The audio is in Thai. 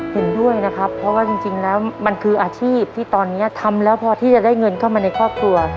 เห็นด้วยนะครับเพราะว่าจริงแล้วมันคืออาชีพที่ตอนนี้ทำแล้วพอที่จะได้เงินเข้ามาในครอบครัว